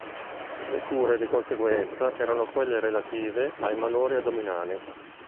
Le cure di conseguenza erano quelle relative ai malori addominali.